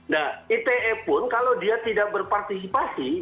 nah ite pun kalau dia tidak berpartisipasi